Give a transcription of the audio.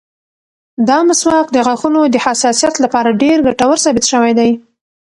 دا مسواک د غاښونو د حساسیت لپاره ډېر ګټور ثابت شوی دی.